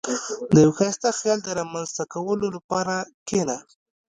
• د یو ښایسته خیال د رامنځته کولو لپاره کښېنه.